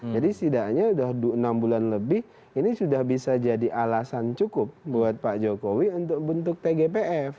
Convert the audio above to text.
jadi setidaknya sudah enam bulan lebih ini sudah bisa jadi alasan cukup buat pak jokowi untuk bentuk tgpf